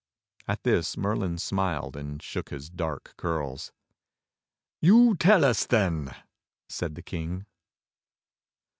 At this Merlin smiled and shook his dark curls. "You tell us, then," said the King.